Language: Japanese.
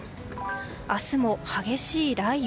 明日も激しい雷雨。